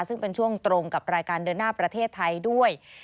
ซึ่งเป็นช่วงตรงกับรายการเดินหน้าประเทศไทยด้วย